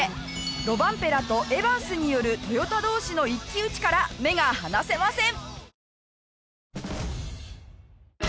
ロバンペラとエバンスによるトヨタ同士の一騎打ちから目が離せません。